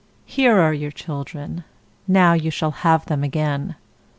"] "Here are your children; now you shall have them again.